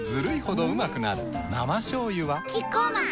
生しょうゆはキッコーマン